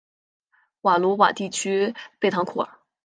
瓦卢瓦地区贝唐库尔。